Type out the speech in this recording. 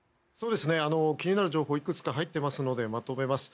気になる情報がいくつか入っていますのでまとめます。